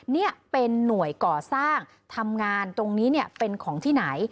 นี่เป็นหน่วยก่อสร้างทำงานตรงนี้เป็นของที่ไหน